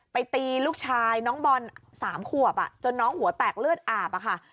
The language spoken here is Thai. ตีลูกชายน้องบอล๓ขวบจนน้องหัวแตกเลือดอาบอะค่ะ